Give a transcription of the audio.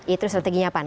itu strateginya pan